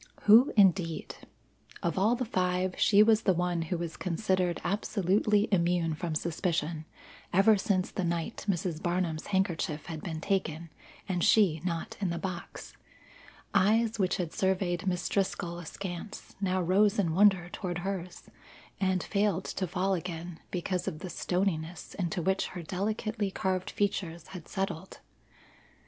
Who indeed! Of all the five, she was the one who was considered absolutely immune from suspicion ever since the night Mrs. Barnum's handkerchief had been taken, and she not in the box. Eyes which had surveyed Miss Driscoll askance now rose in wonder toward hers, and failed to fall again because of the stoniness into which her delicately carved features had settled.